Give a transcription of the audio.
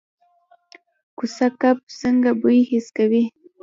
کوسه کب څنګه بوی حس کوي؟